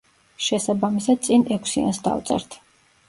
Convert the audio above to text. შესაბამისად წინ ექვსიანს დავწერთ.